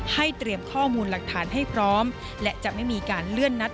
เตรียมข้อมูลหลักฐานให้พร้อมและจะไม่มีการเลื่อนนัด